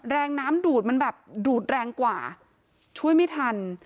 แรงน้ำดูดมันแบบดูดแรงกว่าช่วยไม่ทัน